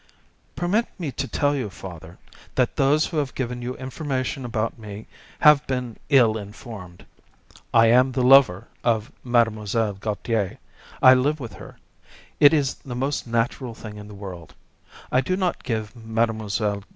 "Permit me to tell you, father, that those who have given you information about me have been ill informed. I am the lover of Mlle. Gautier; I live with her; it is the most natural thing in the world. I do not give Mlle.